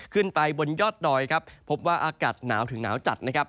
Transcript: ขึ้นไปบนยอดดอยครับพบว่าอากาศหนาวถึงหนาวจัดนะครับ